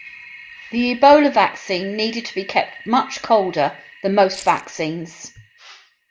The Ebola vaccine needed to be kept much colder than most vaccines.